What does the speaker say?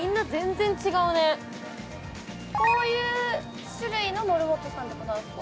こういう種類のモルモットさんってことなんですか？